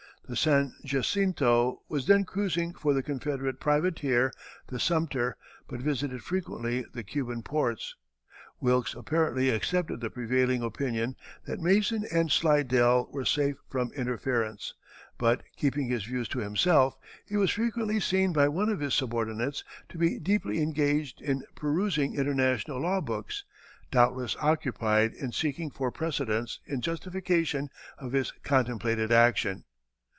The San Jacinto was then cruising for the Confederate privateer, the Sumter, but visited frequently the Cuban ports. Wilkes apparently accepted the prevailing opinion that Mason and Slidell were safe from interference, but, keeping his views to himself, he was frequently seen by one of his subordinates to be deeply engaged in perusing international law books, doubtless occupied in seeking for precedents in justification of his contemplated action.